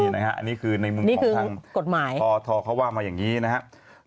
นี่นะครับอันนี้คือในมุมของทางพอทเขาว่ามาอย่างนี้นะครับ